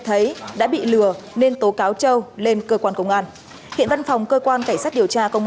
thấy đã bị lừa nên tố cáo châu lên cơ quan công an hiện văn phòng cơ quan cảnh sát điều tra công